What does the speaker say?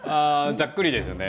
ざっくりですね。